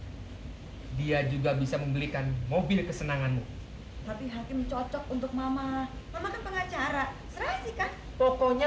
hai dia juga bisa membelikan mobil kesenanganmu tapi hakim cocok untuk mama pengacara pokoknya